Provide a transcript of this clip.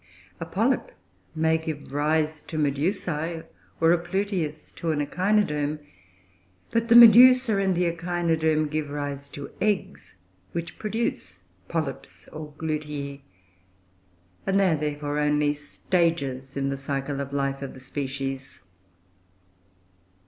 A polype may give rise to Medusae, or a pluteus to an Echinoderm, but the Medusa and the Echinoderm give rise to eggs which produce polypes or glutei, and they are therefore only stages in the cycle of life of the species.